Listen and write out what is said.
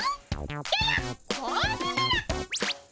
ややっ子鬼めら！